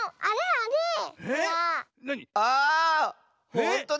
ほんとだ。